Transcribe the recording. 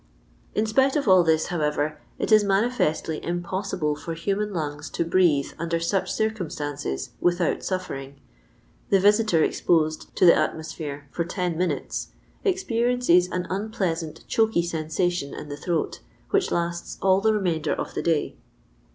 " In spite of all this, however, it is manifestly impossible for human lungs to breathe under such circumstances without sirring. The visitor ex posed to the atmosphere for ten minutes expe riences an unpleasant choky sensation in the throat, which lasts all the remainder of the day.